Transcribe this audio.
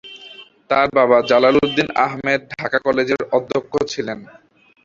তার বাবা জালাল উদ্দিন আহমেদ ঢাকা কলেজের অধ্যক্ষ ছিলেন।